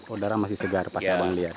oh darah masih segar pas abang lihat